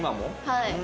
はい。